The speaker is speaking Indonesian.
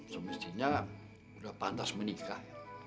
semestinya udah pantas menikah